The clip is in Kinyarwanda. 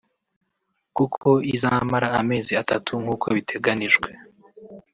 kuko izamara amezi atatu nk’uko biteganijwe